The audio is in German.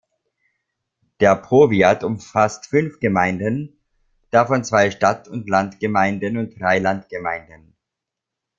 Der Powiat umfasst fünf Gemeinden, davon zwei Stadt- und Landgemeinden und drei Landgemeinden.